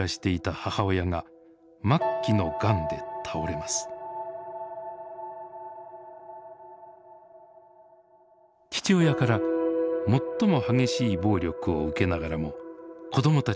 父親から最も激しい暴力を受けながらも子どもたちをかばい続けた母。